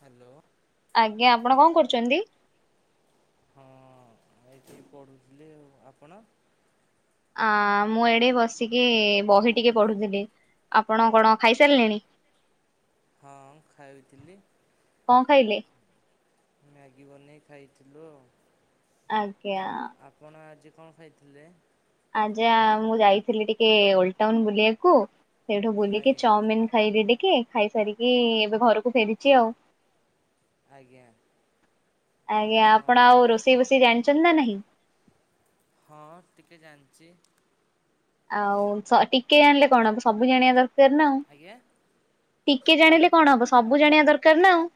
Hello. ଆଜ୍ଞା ଆପଣ କଣ କରୁଛନ୍ତି? ହଁ ଏଇଠି ପଢ଼ୁଥିଲି ଆଉ ଆପଣ? ମୁଁ ଏଡି ବସିକି ବହି ଟିକେ ପଢ଼ୁଥିଲି, ଆପଣ କଣ ଖାଇସାରିଲେଣି? ହଁ ଖାଇଥିଲି। କଣ ଖାଇଲେ? ମ୍ୟାଗି ବନେଇ ଖାଇଥିଲୁ ଆଉ। ଆଜ୍ଞା। ଆପ ଆପଣ ଆଜି କଣ ଖାଇଥିଲେ? ଆଜ୍ଞା ମୁଁ ଯାଇଥିଲି ଟିକେ ଓଲଡ ଟାଉନ ବୁଲିବାକୁ। ସେଇଠୁ ବୁଲିକି ଆଜ୍ଞା ଚଉମିିନ ଖାଇଲି ଟିକେ ଖାଇସାରିକି ଏବେ ଘରକୁ ଫେରିଛି ଆଉ। ଆଜ୍ଞା ଆଜ୍ଞା ଆପଣ ଆଉ ରୋଷେଇ ବୋଷେଇ ଜାଣିଛନ୍ତି ନା ନାହିଁ? ହଁ ଟିକେ ଜାଣିଛି। ଆଉ ଟିକେ ଜାଣିଲେ କଣ ହବ ସବୁ ଜାଣିବା ଦରକାର ନା ଆଉ। ଆଜ୍ଞା? ଟିକେ ଜାଣିଲେ କଣ ହବ ସବୁ ଜାଣିବା ଦରକାର ନା ଆଉ।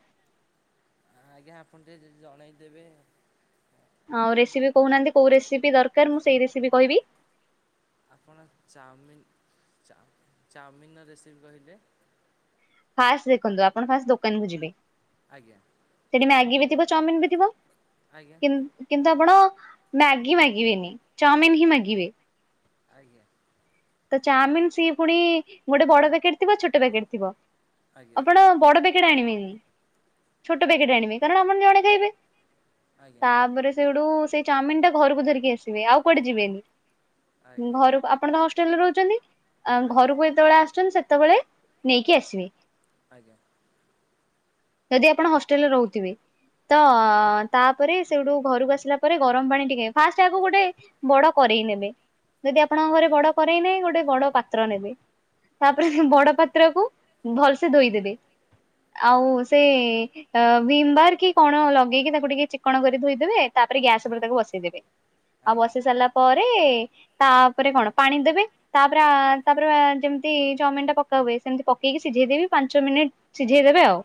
ଆଜ୍ଞା ଆପଣ ଟିକେ ଯ ଜଣେଇଦେବେ ଆଉ ରେସିପି କହୁନାହାନ୍ତି କୋଉ ରେସିପି ଦରକାର ମୁଁ ସେଇ ରେସିପି କହିବି। ଆପଣ ଚାଉମିିନ ଚା ଚାଉମିିନ ର ରେସିପି କହିଲେ? ଫାଷ୍ଟ ଦେଖନ୍ତୁ ଆପଣ ଫାଷ୍ଟ ଦୋକାନକୁ ଯିବେ। ଆଜ୍ଞା। ସେଠି ମ୍ୟାଗି ବି ଥିବ ଚାଉମିିନ ବି ଥିବ। ଆଜ୍ଞା କିନ୍ତୁ ଆପଣ ମ୍ୟାଗି ମାଗିବେନି ଚାଉମିନ ହିଁ ମାଗିବେ। ଆଜ୍ଞା। ତ ଚାଉମିିନ ସିଏ ପୁଣି ଗୋଟେ ବଡ ପ୍ୟାକେଟ ଥିବ ଛୋଟ ପ୍ୟାକେଟ୍ ଥିବ ଆଜ୍ଞା ଆପଣ ବଡ ପା ଅନିବେନି ଛୋଟ ପ୍ୟାକେଟ ଆଣିବେ କାରଣ ଆପଣ ଜଣେ ଖାଇବେ, ଆଜ୍ଞା ତାପରେ ସେଠୁ ସେଇ ଚାଉମିନ ଟା ଘରକୁ ଧରିକି ଆସିବେ, ଆଉ କୁଆଡେ ଯିବେନି, ଆଜ୍ଞା ଘରକୁ ଆପଣ ହଷ୍ଟେଲରେ ରହୁଛନ୍ତି, ଆଜ୍ଞା ଆଜ୍ଞା ଘରକୁ ଯେତେବେଳେ ଆସୁଛନ୍ତି ସେତେବେଳେ ନେଇକି ଆସିବେ। ଆଜ୍ଞା। ଯଦି ଆପଣ ହଷ୍ଟେଲରେ ରହୁଥିବେ ତ ତା ପରେ ସେଠୁ ଘରକୁ ଆସିଲା ପରେ ଗରମ ପାଣି ଟିକେ ଫାଷ୍ଟ ଆଗ ଗୋଟେ ବଡ କରେଇ ନେବେ। ଯଦି ଆପଣଙ୍କ ଆଜ୍ଞା ଘରେ ବଡ କରେଇ ନାହିଁ ଗୋଟେ ବଡ ପାତ୍ର ନେବେ, ତାପରେ ଆଜ୍ଞା ବଡ ପାତ୍ରକୁ ଭଲସେ ଧୋଇଦେବେ, ଆଉ ସେ ଆଁ ଭୀମ୍ ବାର୍ କି କଣ ଲଗେଇକି ତାକୁ ଟିକେ ଚିକ୍କଣ କରି ଧୋଇଦେବେ। ତାପରେ ଗ୍ୟାସ ଉପେରେ ଆଜ୍ଞା ତାକୁ ବସେଇଦେବେ ଆଉ ଆଜ୍ଞା ବସେଇ ସାରିଲା ପରେ ତାପରେ କଣ ପାଣି ଦେବେ। ତାପରେ ଆ ତାପରେ ଆ ଯେମତି ଚାଓମିନଟା ପକା ହୁଏ ସେମତି ପକେଇକି ସିଝେଇ ଦେବି ପାଞ୍ଚ ମିନିଟ୍ ସିଝେଇ ଦେବେ ଆଉ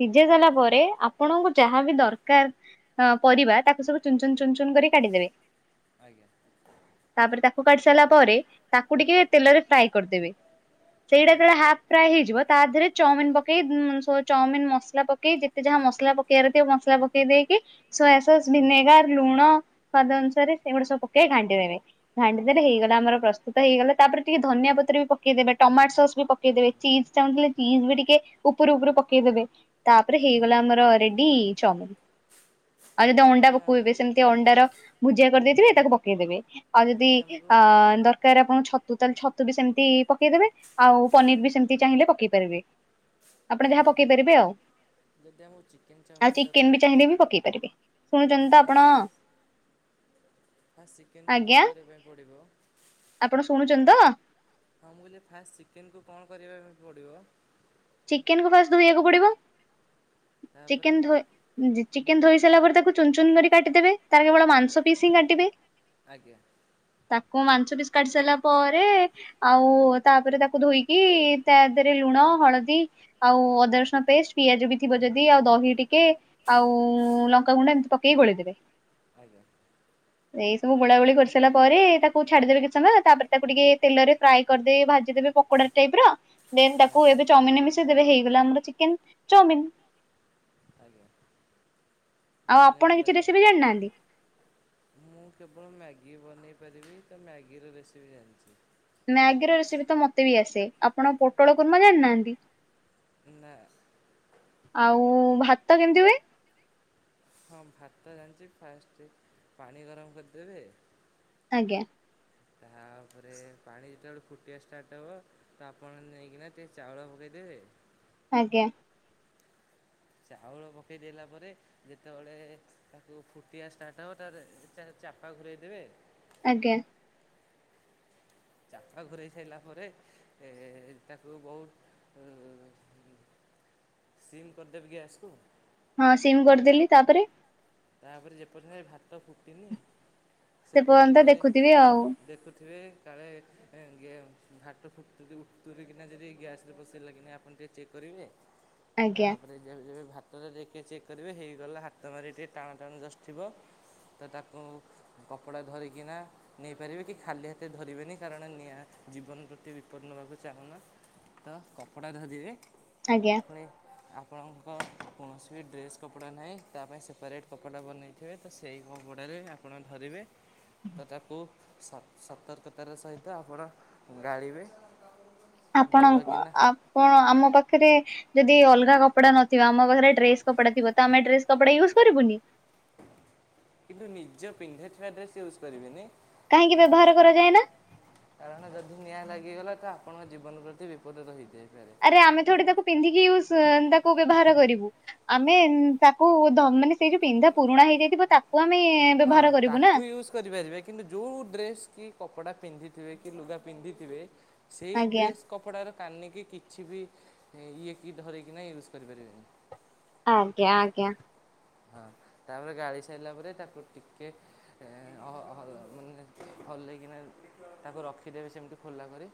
ସିଝେଇ ସାରିଲା ଆଜ୍ଞା ପରେ ଆ ପଣଙ୍କୁ ଯାହା ବି ଦରକାର ହଁ ପରିବା ତାକୁ ସବୁ ଚୁନ୍ ଚୁନ୍ ଚୁନ୍ ଚୁନ୍ କରି କାଟିଦେବେ ଆଜ୍ଞା ତାପରେ ତାକୁ କାଟିି ସାଇଲା ପରେ ତାକୁ ଟିକେ ତେଲରେ ଫ୍ରାଏ କରିଦେବେ ସେଇଟା ଆଜ୍ଞା ଯେତେବେଳେ ହାପ୍ ପ୍ରାଏ ହେଇଯିବ ତାଧିଏରେ ଚଉମିନ୍ ପକେଇ ଉଁ ସୋ ଚଉମିନ୍ ମସଲା ପକେଇ ଯେତେ ଯାହା ମସଲା ପକ୍ କିଆରେ ଟିକେ ମସଲା ପକେଇ ଦେଇକି ସୋୟା ସସ୍ ଭିନେଗାର ଲୁଣ ସ୍ୱାଦ ଅନୁସାରେ ସେଗୁଡା ସବୁ ପକେଇ ଘାଣ୍ଟିଦେବେ। ଘାଣ୍ଟି ଦେଲେ ଆଜ୍ଞା ହେଇଗଲା ଆମର ପ୍ରସ୍ତୁତ ହେଇଗଲା ତାପରେ ଟିକେ ଧନିଆ ପତ୍ର ବି ପକ୍ କେଇଦେବେ ଟମାଟ୍ ସସ୍ ବି ପକେଇଦବେ ଚିଜ୍ ଚାହୁଁଥିଲେ ଚିଜ୍ ବି ଟିକେ ଉପରୁ ଉପରୁ ପକେଇଦେବେ। ତାପରେ ଆଜ୍ଞା ହେଇଗଲା ଆମର ରେଡି ଚଉମିନ୍। ଆଉ ଯଦି ଅଣ୍ଡା ପକୋଇବେ ସେମତି ଅଣ୍ଡାର ଭୁଜିଆ କରିଦେଇଥିବେ ତାକୁ ପକେଇଦେବେ ଆଉ ଯଦି ଆଁ ଦରକାର ଆପଣୁଙ୍କୁ ଛତୁ ତାହଲେ ଛତୁ ବି ସେମତି ପକେଇଦେବେ। ଆଉ ପନିର୍ ବି ସେମତି ଚାହିଁଲେ ପକେଇ ପାରିବେ ଆପଣ ଯାହା ପକେଇ ପାରିବେ ଆଉ। ଯଦି ଆମକୁ ଚିକେନ୍ ଆଉ ଚାଉମିନ୍ ଚିକେନ ଦରକାର ବି ଚାହିଁଲେ ବି ପକେଇ ପାରିବେ ଶୁଣୁଛନ୍ତି ତ ଆପଣ? [inaudible] ଫାଷ୍ ଚିକେନକୁ ଆଜ୍ଞା କଣ କରିବା ପାଇଁ ପଡିବ? ଆପଣ ଶୁଣୁଛନ୍ତି ତ? ହଁ ମୁଁ କହିଲି ଫାଷ୍ ଚିକେନକୁ କଣ କରିବା ପାଇଁ ପଡିବ? ଚିକେନକୁ ଫାଷ୍ ଧୋଇଆକୁ ପଡିବ ତାପରେ ଚିକେନ୍ ଧୋଏ ଉଁ ଯି ଚିକେନ୍ ଧୋଇ ସାରିଲା ପରେ ତାକୁ ଚୁନ୍ ଚୁନ୍ କରି କାଟିଦେବେ ତାର କେବଳ ମାଂସ ପିସ୍ ହିଁ କାଟିବେ। ଆଜ୍ଞା। ତାକୁ ମାଂସ ପିସ୍ କାଟି ସାଇଲା ପରେ ଆଉ ତାପରେ ତାକୁ ଧୋଇକି ତାଦେରେ ଲୁଣ ହଳ ଦୀ ଆଉ ଅଦା ରସୁଣ ପେଷ୍ଟ ପିଆଜ ବି ଥିବ ଯଦି ଆଉ ଦହି ଟିକେ ଆଉ ଲଙ୍କାଗୁଣ୍ଡା ଏମତି ପକେଇକି ଗୋଳେଇ ଦେବେ। ଆଜ୍ଞା। ଏଇ ସବୁ ଗୋଳା ଗୋଳି କରିସାରିଲା ପରେ ତାକୁ ଛାଡିଦେବେ କିଛି ସମୟ ତାପରେ ତାକୁ ଟିକେ ତେଲରେ ଫ୍ରାଏ କରିଦେବେ ଭାଜିଦେବେ ପକୋଡା ଟାଇପର ଦେନ୍ ତାକୁ ଆଜ୍ଞା ଏବେ ଚଉମିନରେ ମିଶେଇ ଦେବେ ହେଇଗଲା ଆମର ଚିକେନ୍ ଚଉମିନ୍। ଆଜ୍ଞା। ଆଉ ଆପଣ ଧନ୍ୟବାଦ କିଛି ଆଜ୍ଞା ରେସିପି ଜାଣିନାହାନ୍ତି। ମୁଁ କେବଳ ମ୍ୟାଗି ବନେଇ ପାରିବି ତ ମ୍ୟାଗିର ରେସିପି ଜାଣିଚି। ମ୍ୟାଗିର ରେସିପି ତ ମତେ ବି ଆସେ ଆପଣ ପୋଟଳ କୁରୁମା ଜାଣିନାଆନ୍ତି। ହୁଁ ନା। ଆଉ ଭାତ କେମତି ହୁଏ? ହଁ ଭାତ ଜାଣିଚି ଫାଷ୍ଟେ ପାଣି ଗରମ କରିଦେବେ। ଆଜ୍ଞା। ତାପରେ ପାଣି ଯେତେବେଳେ ଫୁଟିବା ଷ୍ଟାଟ୍ ହବ ତ ଆପଣ ନେଇକିନା ଟିକେ ଚାଉଳ ପକେଇଦେବେ। ଆଜ୍ଞା। ଚାଉଳ ପକେଇଦେଲା ପରେ ଯେତବଳେ ତାକୁ ଫୁଟିବା ଷ୍ଟାଟ୍ ହବ ତାପରେ ଚା ଚାପା ଘରୋଇ ଦେବେ। ଆଜ୍ଞା। ଛାତ ଘୋରେଇ ସାରିଲା ପରେ ତାକୁ ବହୁତ ସିମ୍ କରିଦେବି ଗ୍ୟାସ କୁ। ହଁ ସିମ୍ କରିଦେଲି ତାପରେ। ତାପରେ ଯେପର୍ଯ୍ୟ ତ ଏ ଭାତ ଫୁଟିନି ଆଉ। ସେ ପର୍ଯ୍ୟନ୍ତ ଯାଏ ଦେଖୁଥିବେ। କାଳେ ଭାତ ଫୁଟୁ ଉତୁରୀ କିନା ଯଦି ଗ୍ୟାସ୍ ପସିଇ ଗଲା କିନା ଆପଣ ଟିକେ ଚେକ୍ କରିବେନି। ହ ତାପରେ ଯେବେ ଯେବେ ଭାତରେ ଦେଖି ଚେକ୍ କରିବେ ହେଇଗଲା ହାତ ମାରି ଟେ ଟାଣ ଟାଣ ଜଷ୍ଟ ଥିବ। ତ ତାକୁ କପଡ଼ା ଧରିକିନା ନେଇପାରିବେ କି ଖାଲି ହାତ ଧରିବେନି କାରଣ ନିଆଁ ଜୀବନ ପ୍ରତି ବିପଦ ନେବାକୁ ଚାହୁଁନା ତ କପଡ଼ା ଧରିବେ। ଆଜ୍ଞା। ପୁଣି ଆପଣଙ୍କ କୌଣସି ବି ଡ୍ରେସ୍ କପଡ଼ା ନାହିଁ ତା ପାଇଁ ସେପାରେଟ୍। କପଡ଼ା ବନେଇଥିବେ ତ ସେଇ କପଡ଼ାରେ ଆପଣ ଧରିବେ ତ ତାକୁ। ସ ସତର୍କତାର ସହିତ ଆପଣ ଗାଳିବେ। ଆପଣ ଭଲ କିନା ଆପଣ ଆମ ପାଖରେ ଯଦି ଅଲଗା କପଡା ନଥିବା ଆମ ପାଖରେ ଡ୍ରେସ କପାଥିବ ତ ଆମେଡ୍ରେସ୍ କପଡା ୟୁଜ କରିବୁନି। କିନ୍ତୁ ନିଜ ପିନ୍ଧାଇଥିବା ଡ୍ରେସ୍ ୟୁଜ୍ କରିବେନି। କାହିଁକି ବ୍ୟବହାର କରାଯାଏ ନା କାରଣ ଯଦି ନିଆଁ ଲାଗିଗଲା ତ ଆପଣଙ୍କ ଜୀବନ ପ୍ରତି ବିପଦ ରହିଯାଇପାରେ। ରେ ଆମେ ଥ ତାକୁ ପିନ୍ଧିକି ୟ ତାକୁ ବ୍ୟବହାର କରିବୁ ଆମେ ତାକୁ ମାନେ ସେଇ ଯୋଉ ପିନ୍ଧା ପୁରୁଣା ହେଇଯାଇଥିବ ତାକୁ ଆମେ ହଁ ବ୍ୟବହାର କରିବୁ ନା। ତାକୁ ୟୁଜ୍ କରିପାରିବେ କିନ୍ତୁ ଯୋଉ ଡ୍ରେସ୍ କି କପଡ଼ା ପିନ୍ଧିଥିବେ କି ଲୁଗା ପିନ୍ଧିଥିବେ। ସେଇ ଆଜ୍ଞା ଡ୍ରେସ୍ କପଡ଼ାର କାନିକି କିଛି ବି ଇଏକି ଧରକିନା ୟୁଜ୍ କରିପାରିବେନି। ଆଜ୍ଞା ଆଜ୍ଞା। ହଁ ତାପରେ ଗାଳି ସାରିଲା ପରେ ତାକୁ ଟିକେ। ମାନେ ହଲେଇକିନା ତାକୁ ରଖିଦେବେ ସେମିତି ଖୋଲା କରି।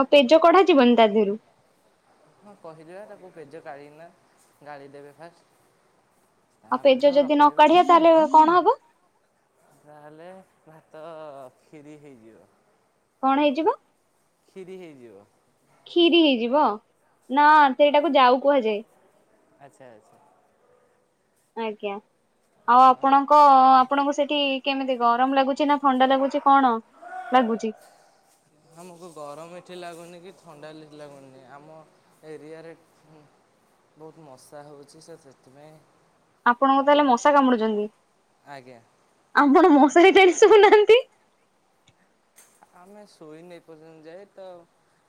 ଆଉ ପେଜ କଢାଯ ଯିବନି ତା ଦେହରୁ। ହଁ କହିଲିବା ତାକୁ ପେଜ ଗାଳିକି ନା ଗାଳି ଦେବେ ଫାଷ୍ଟ। ଆଉ ତାପରେ ପେଜ ତାକୁ ଯଦି ନ ରଖିଦେବେ କାଢିଆ ତାହେଲେ କଣ ହବ। ତାହେଲେ ଭାତ କ୍ଷିରି ହେଇଯିବ। କଣ ହେଇଯିବ। କ୍ଷୀରି ହେଇଯିବ। କ୍ଷୀରି ହେଇଯିବ ନା ସେଇଟାକୁ ଯାଉ କୁହାଯାଏ। ଆଚ୍ଛା ଆଚ୍ଛା। ଆଜ୍ଞା ଆଉ ହଁ ଆପଣଙ୍କ। ଆପଣଙ୍କୁ ସେଠି କେମିତି ଗରମ ଲାଗୁଛି ନା ଥଣ୍ଡା ଲାଗୁଛି କଣ ଲାଗୁଛି। ଆମକୁ ଗରମ ଏଠି ଲାଗୁନି କି ଥଣ୍ଡା ଲାଗୁନି ଆମ ଏରିଆରେ। ବହୁତ ମଶା ହେଉଛି ସେ ସେଥିପାଇଁ। ଆପଣଙ୍କୁ ତାହେଲେ ହୁଁ, ମଶା କାମୁଡୁଛନ୍ତି ଆଜ୍ଞା ଆପଣ ମଶାରି ସୋଉନାହାନ୍ତି। ଆମେ ଶୋଇନୁ ଏପଯ୍ୟନ୍ତ ଯାଏଁ ତ।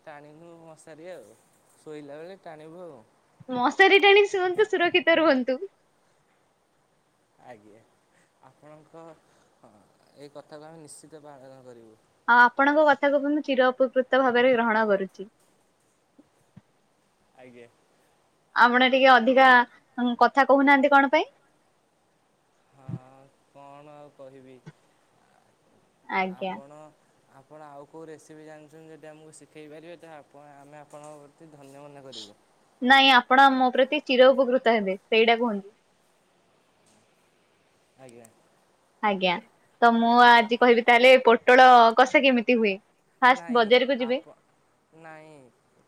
ଟାଣିନୁ ମଶାରି ଆଉ ଶୋଇଲା ବେଳେ ଟାଣିବୁ ଆଉ। ମଶାରୀ ଟାଣିକ ଶୁଅନ୍ତୁ ସୁରକ୍ଷିତ ରୁହନ୍ତୁ। ଆଜ୍ଞା ଆପଣଙ୍କ ହଁ ଏଇ କଥାକୁ ଆମେ ନିଶ୍ଚିତ ପାଳନ କରିବୁ। ଆଉ ଆପଣଙ୍କ କଥାକୁ ମୁଁ ଚିର ଉପକୃତ ଭାବରେ ଗ୍ରହଣ କରୁଛି। ଆଜ୍ଞା। ଆପଣ ଟିକେ ଅଧିକା କଥା କୋହୁନାହାନ୍ତି କଣ ପାଇଁ? ହଁ କଣ ଆଉ କହିବି। ଆଜ୍ଞା। ଆପଣ ଆପଣ ଆଉ କେଉଁ ରେସିପି ଜାଣିଚନ୍ତି ଯଦି ଆମକୁ ଶିଖାଇ ପାରିବେ ତ ଆପଣ ଆମେ ଆପଣଙ୍କ ପ୍ରତି ଧନ୍ୟ ମନେ କରିବୁ। ନାଇଁ ଆପଣ ମୋ ପ୍ରତି ଚିର ଉପକୃତ ହେବେ ସେଇଟା କୁହନ୍ତୁ। ଆଜ୍ଞା। ଆଜ୍ଞା ତ ମୁଁ ଆପ ଆଜି କହିବି ତାହେଲେ ପୋଟଳ କଷା କେମିତି ହୁଏ। ଫାଷ୍ଟ ନାଇଁ ବଜାରକୁ ଯିବେ ଆପ ନାଇଁ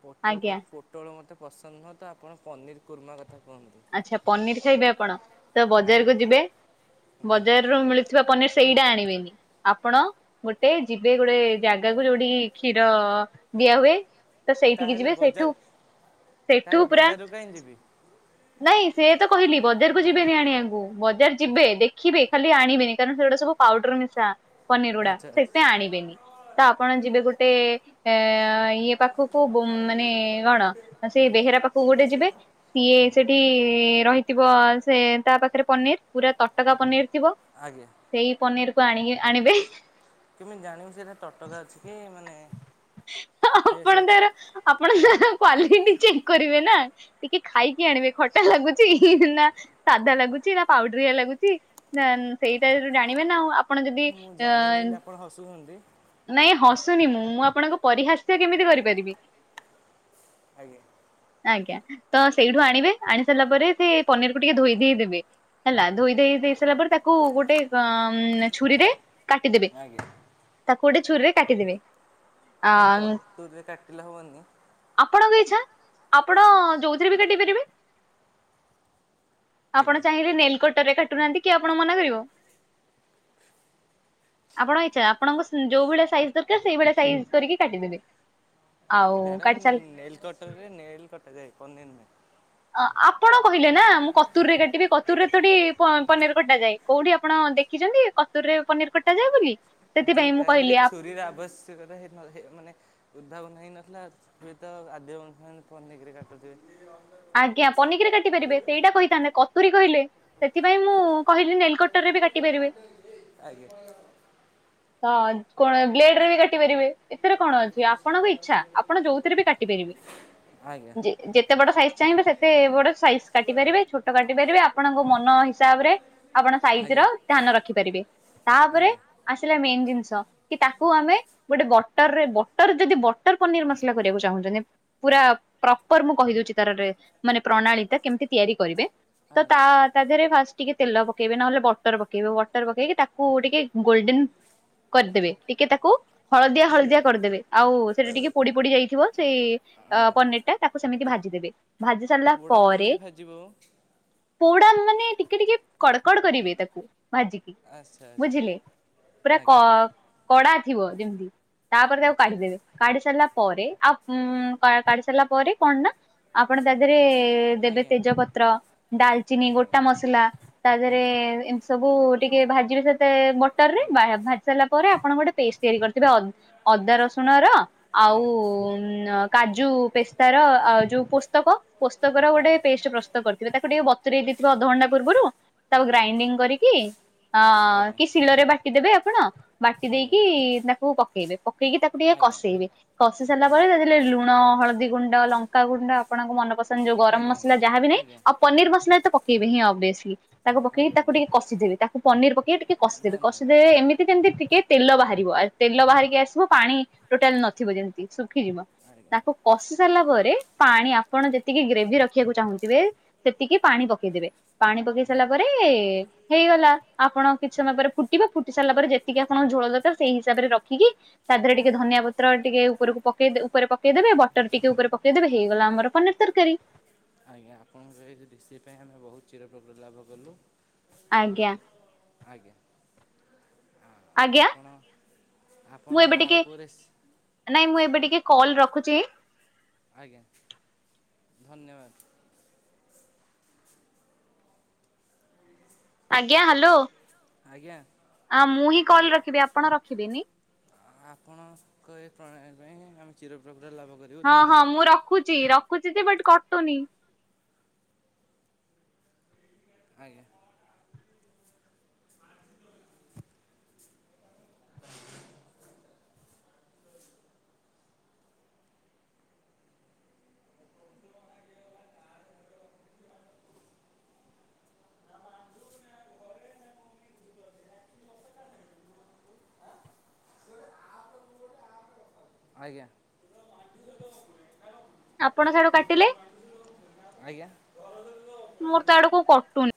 ପୋଟୋଳ ଆଜ୍ଞା କ ପୋ ଟଳ ମୋତେ ପସନ୍ଦ ନୁହଁ ତ ଆପଣ ପନିର୍ କୁର୍ମା କଥା କୁହନ୍ତୁ? ଆଛା ପନିର ଖାଇବେ ଆପଣ ତ ଆଜ୍ଞା ବଜାରକୁ ଯିବେ ଆଜ୍ଞା ବଜାରରୁ ମିଳ ଥିବା ପନିର ସେଇଟା ଆଣିବେନି। ଆପଣ ଗୋଟେ ଯିବେ ଗୋଟେ ଜାଗାକୁ ଯୋଉଠି କି କ୍ଷୀର ଦିଆ ହୁଏ ତ ସେଇଠିକି ତାହେଲେ ଯିବେ ସେଇଠୁ ବଜାର ସେଇଠୁ ପୁରା କାଇଁ ଯିବି? ନାଇଁ ସେଇଆ ତ କହିଲି ବଜାର କ ଯିବେନି ଆଣିବାକୁ ବଜାର ଯିବେ ଦେଖିବେ ଖାଲି ଆଣିବେନି କାରଣ ସେଗୁଡା ସବୁ ପାଉଡର ମିଶା। ପନିର ଉଡା ଆଚ୍ଛା ଆଚ୍ଛା ସେତେ ଆଣିବେନି ତ ଆପଣ ଯିବେ ଗୋଟେ ଅ ଇଏ ପାଖୁ କୁ ମାନେ କଣ ସେ ବେହେରା ପାଖକୁ ଗୋଟେ ଯିବେ ସିଏ ସେଠି ଠି ରହିଥିବ ସେ ତା ପାଖରେ ପନିର ପୁରା ତଟକା ପନିର ଥିବ। ଆଜ୍ଞା। ସେଇ ପନିର କୁ ଆଣିକି ଆଣିବେ। କେମିତି ଜାଣିବୁ ଏଇଟା ତଟକା ଅଛି କି ମାନେ ଫ୍ରେଶ୍ ଆପଣ ଅଛି ତାର ଆପଣ ତାର କ୍ଵାଲିଟି ଚେକ୍ କରିବେ ନା। ଟିକେ ଖାଇକି ଆଣିବେ ଖଟା ଲାଗୁଚି ନା ସାଧା ଲାଗୁଚି ନା ପାଉଡରଆ ଲାଗୁଚି ନାନ ସେଇ ଟାଇପର ଜାଣିବେ ନା ଆ ଆପଣ ଯଦି ମୁଁ ଅ ଜାଣିନି ବୋଲି ଆପଣ ହସୁଛନ୍ତି ନାଇଁ ହସୁନି ମୁଁ ମୁଁ ଆପଣଙ୍କୁ ପରିହାସ୍ୟ କେମିତି କରିପାରିବି। ଆଜ୍ଞା। ଆଜ୍ଞା ତ ସେଇଠୁ ଆଣିବେ ଆଣି ସାରିଲା ପରେ ସେ ପନିର କୁ ଟିକେ ଧୋଇ ଧାଇ ଦେବେ। ହେଲା ଧୋଇ ଧାଇ ଦେଇ ସାରିଲା ପରେ ତାକୁ ଗୋଟେ ଅ ଛୁରୀରେ କାଟିଦେବେ ଆଜ୍ଞା ତାକୁ ଗୋଟେ ଛୁରୀରେ କାଟିଦେବେ। ଆ କାଇ କଟୁୁରରେ କାଟିଲେ ହବନି। ଆପଣଙ୍କ ଇଚ୍ଛା ଆପଣ ଯୋଉଥିରେ ବି କାଟି ପାରିବେ। ଆପଣ ଆଜ୍ଞା ଚାହିଁଲେ ନେଲ କଟରେ କାଟୁନାହାନ୍ତି କିଏ ଆପଣଙ୍କୁ ମନା କରିବ। ଆପଣ ଇଚ୍ଛା ଆପଣଙ୍କ ଯୋଉ ଭଳିଆ ସାଇଜ୍ ଦରକାର ସେଇଭଳିଆ ସାଇଜ୍ କରିକି କାଟିଦେବେ। ଆଉ କାଟି ମ୍ୟାଡ଼ାମ ସାରି ନେଲ କଟ ରେ ନେଲ କଟ ଯାଏ ପନିର ନୁହେଁ। ଅ ଆପଣ କହିଲେ ନା ମୁଁ କତୁର ରେ କାଟିବି କତୁରରେ ଥୋଡ଼ି ପ-ପନିର କଟା ଯାଏ। କୋଉଠି ଆପଣ ଦେଖିଚନ୍ତି କତୁର ରେ ପନିର କଟାଯାଏ ବୋଲି। ଯୋଉ ସେଥିପାଇଁ ମୁଁ ଟାଇମରେ କହିଲି ଛୁରୀର ଆବଶ୍ୟକତା ହେଇନ ହେଇ ମାନେ ଉଦ୍ଧାବଧ ହେଇ ନଥିଲା ହୁଏ ତ ଆଦିବ ମନୁଷ୍ୟ ମାନେ ତ ପାନିକିରେ କଟୁଥିବେ। ଆଜ୍ଞା ପନିରରେ କାଟି ପାରିବେ ସେଇଟା କହିଥାନ୍ତେ କତୁରୀ କହିଲେ। ସେଥିପାଇଁ ମୁଁ କହିଲି ନେଲକ୍ଟରରେ ବି କାଟି ପାରିବେ। ଆଜ୍ଞା। ହଁ କଣ ବ୍ଲେଡ ରେ ବି କାଟି ପାରିବେ। ଏଥିରେ କଣ ଅଛି ଆପଣଙ୍କ ଇଚ୍ଛା ଆପଣ ଯୋଉଥିରେ ବି କାଟି ପାରିବେ ଆଜ୍ଞା ଯେ-ଯେତେ ବଡ ସାଇଜ ଚାହିଁବେ ସେତେ ବଡ଼ ସାଇଜ କାଟି ପାରିବେ, ଛୋଟ କାଟି ପାରିବେ, ଆପଣଙ୍କ ମନ ହିସାବ ରେ ଆପଣ ସାଇଜ ର ଆଜ୍ଞା ଧ୍ୟାନ ରଖିପାରିବେ। ତାପରେ ଆଜ୍ଞା ଆସିଲା ମେନ୍ ଜିନିଷ କି ତାକୁ ଆମେ ଗୋଟେ ବଟରରେ ବଟର ଯଦି ବଟର ପନିର ମସଲା କରିବାକୁ ଚାହୁଁଛନ୍ତି ପୁରା ପ୍ରପର ମୁଁ କହିଦଉଛି। ତାର ରେ ମାନେ ପ୍ରଣାଳୀ ଟା, କେମିତି ତିଆରି କରିବେ। ତ ଆଜ୍ଞା ତା ତା ଦେହରେ ଫା ଟିକେ ତେଲ ପକେଇବେ ନହେଲେ ବଟର ପକେଇବେ। ବଟର ପକେଇକି ତାକୁ ଟିକେ ଗୋଲଡେନ୍ କରିଦେବେ, ଟିକେ ତାକୁ ହଳଦିଆ ହଳଦିଆ କରିଦେବେ। ଆଉ ସେଟା ଟିକେ ପୋଡି ପୋଡି ଯାଇଥିବ ସେଇ ଆଜ୍ଞା ପନିର ଟା, ତାକୁ ସେମିତି ଭାଜିଦେବେ। ଭାଜି ସାରିଲା ପୋଡ଼ା ପରେ ପନିର ଭାଜିବ ପୋଡା ମାନେ ଟିକେ ଟିକେ କଡ଼କଡ କରିବେ ତାକୁ ଭାଜି କି। ଆଚ୍ଛା ଆଚ୍ଛା ବୁଝିଲେ? ପୁରା କ ଆଜ୍ଞା କଡା ଥିବ ଯେମିତି। ତାପରେ ତାକୁ ଆଚ୍ଛା କାଢି ଦେବେ। କାଢି ସାରିଲା ପରେ, ଆଉ କାଢି ସାରିଲା ପରେ କଣ ନା ଆପଣ ତା ଦେହରେ ଦେବେ ଆଜ୍ଞା ତେଜପତ୍ର, ଡାଲଚିନି, ଆଜ୍ଞା ଗୋଟା ମସଲା। ତା ଦେହରେ ଆଜ୍ଞା ଏମିତି ସବୁ ଟିକେ ଭାଜିବେ ସେତେ ବଟର ରେ। ଆଜ୍ଞା ଭାଜି ସାରିଲା ପରେ ଆପଣ ଗୋଟେ ପେଷ୍ଟ ତିଆରି କରିଥିବେ ଅ ଅଦା ରସୁଣ ର ଆଉ ଆଜ୍ଞା ଆଜ୍ଞା କାଜୁ ପେସ୍ତା ର ଆଉ ଯୋଉ ପୋ ପୋସ୍ତକ, ପୋସ୍ତକର ଗୋଟେ ପେଷ୍ଟ ପ୍ରସ୍ତୁତ କରିଥିବେ। ତାକୁ ଟିକେ ବତୁରରେଇ ଦେଇଥିବେ ଅଧଘଣ୍ଟା ପୂର୍ବରୁ। ତାକୁ ହୁଁ ଗ୍ରାଇଣ୍ଡିଙ୍ଗ କରିକି ଅ ଆଜ୍ଞା ଆଜ୍ଞା କି ଶିଳରେ ବାଟି ଟି ଦେବେ ଆପଣ ବାଟି ଆଜ୍ଞା ଦେଇକି ତାକୁ ପକେଇବେ। ପକେଇକି ତାକୁ ଟିକେ ଆଜ୍ଞା ଆଜ୍ଞା କଷେଇବେ। କଷି ସାରିଲା ପରେ ଆଜ୍ଞା ତାରେ ଲୁଣ, ହଳଦୀ ଗୁଣ୍ଡ, ଲଙ୍କାଗୁଣ୍ଡ ଆପଣଙ୍କ ମନ ପସନ୍ଦ ଯଉ ଗରମ ମସଲା ଯାହା ବି ନାହିଁ ଆଜ୍ଞା ଆଉ ପନିର ମସଲା ତ ପକେଇବେ ଅବିଏସଲି। ତାକୁ ପକେଇି ଆଜ୍ଞା ଆଜ୍ଞା ତାକୁ ଟିକେ କଷିଦେବେ। ତାକୁ ପନିର ପକେଇକି ଟିକେ କଷିଦେବେ, ଧନ୍ୟବାଦ କଷିଦବେ ଏମେତି ଯେମେତି ଟିକେ ତେଲ ବାହାରିବ, ତେଲ ବାହାରିକି ଆସିବ ପାଣି ଟୋଟାଲ ନଥିବ ଯେମତି ଶୁଖିଯିବ। ଆଜ୍ଞା ତାକୁ କଷି ସାରିଲା ପରେ, ପାଣି ଆପଣ ଯେତିକି ଗ୍ରେଭି ରଖିବାକୁ ଚାହୁଁଥିବେ ସେତିକି ପାଣି ପକେଇ ଦେବେ। ପାଣି ପକେଇ ହୁଁ ସାରିଲା ପରେ ହେଇଗଲା। ଆପଣ କିଛି ସମୟ ପରେ ଫୁଟିବ, ଫୁଟି ସାରିଲା ପରେ ଯେତିକି ଆପଣଙ୍କ ଝୋଳ ଦରକାର ସେଇ ହିସାବରେ ରଖିକି ତା ଦେହରେ ଟିକେ ଧନିଆ ପତ୍ର ଟିକେ ଉପରକୁ ପକେଇ ଉପରେ ପକେଇ ଦେବେ, ବଟର ଟିକେ ଉପରେ ପକେଇ ଦେବେ ହେଇଗଲା ଆମର ପନିର୍ ତରକାରୀ। ଆଜ୍ଞା ଆପଣଙ୍କ ଏଇ ରେସିପି ପାଇଁ ଆମେ ବହୁତ ଚିର [unintelligible] ଲାଭ କଲୁ। ଆଉ ଆଜ୍ଞା ଆଜ୍ଞା। ଆଜ୍ଞା ମୁଁ ଆପଣ-ଆପଣ ଏବେ ଆଉ ଟିକେ କୋଉ ରେସି ନାଇଁ ମୁଁ ଏବେ ଟିକେ କଲ ରଖୁଛି। ଆଜ୍ଞା ଧନ୍ୟବାଦ। ଆଜ୍ଞା ଆଜ୍ଞା ହ୍ୟାଲୋ ମୁଁ ହିଁ ଆପଣ କଲ ରଖିବି ଆପଣ ରଖିବେିନି। ଆପଣଙ୍କ ଏ ପ୍ରଣାଳୀ ପାଇଁ ଆମେ ଚିର ପ୍ରକୃତ ଲାଭ କରି ହଁ ହଁ, ମୁଁ ରଖୁଛି ରଖୁଛି ଯେ, ବଟ୍ କଟୁନି। ଆଜ୍ଞା। ଆଜ୍ଞା। [inaudible] ଆପଣ ସିଆଡୁ କାଟିଲେ। ଆଜ୍ଞା? [inaudible] ମୋର ତ ଆଡକୁ କଟୁନି।